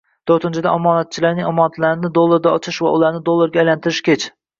To'rtinchidan, omonatchilarning omonatlarini dollarda ochish va ularni dollarga aylantirish kech